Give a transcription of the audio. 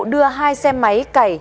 đưa hai xe máy cày